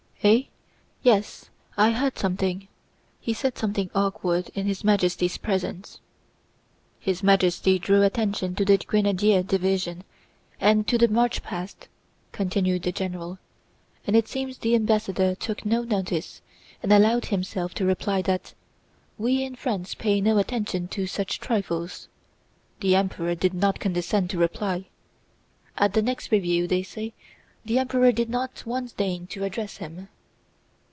"Eh? Yes, I heard something: he said something awkward in His Majesty's presence." "His Majesty drew attention to the Grenadier division and to the march past," continued the general, "and it seems the ambassador took no notice and allowed himself to reply that: 'We in France pay no attention to such trifles!' The Emperor did not condescend to reply. At the next review, they say, the Emperor did not once deign to address him."